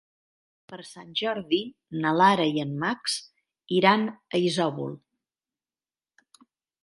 Per Sant Jordi na Lara i en Max iran a Isòvol.